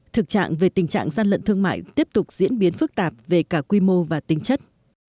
thực trạng về tình trạng gian lận thương mại tiếp tục diễn biến phức tạp về cả quy mô và tính chất